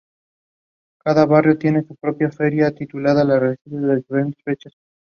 It occurs in shallow waters in the tropical Atlantic and Pacific Oceans.